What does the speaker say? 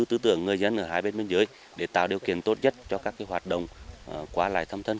tư tưởng người dân ở hai bên biên giới để tạo điều kiện tốt nhất cho các hoạt động qua lại thâm thân